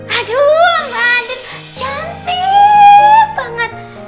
aduh bandin cantik banget